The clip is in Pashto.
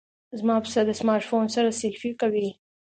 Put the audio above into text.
زما پسه د سمارټ فون سره سیلفي کوي.